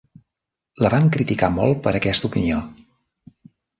La van criticar molt per aquest opinió.